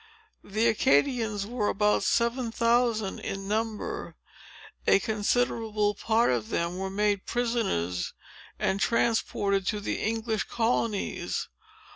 The Acadians were about seven thousand in number. A considerable part of them were made prisoners, and transported to the English colonies.